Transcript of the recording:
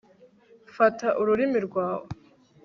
fata ururimi rwawe